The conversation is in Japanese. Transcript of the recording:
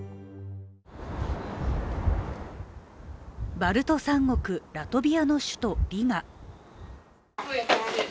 バルト三国、ラトビアの首都リガ。